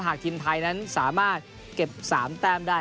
หากทีมไทยนั้นสามารถเก็บ๓แต้มได้